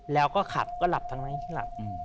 แล้วก็ขับก็หลับทั้งนั้นที่หลับ